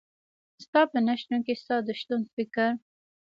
ستا په نشتون کي ستا د شتون فکر